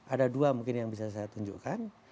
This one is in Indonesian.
ada dua mungkin yang bisa saya tunjukkan